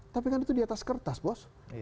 tapi kan itu diatas kertas bos